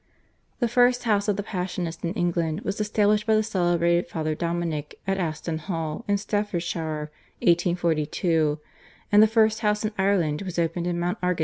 The first house of the Passionists in England was established by the celebrated Father Dominic at Aston Hall in Staffordshire (1842), and the first house in Ireland was opened at Mount Argus in 1856.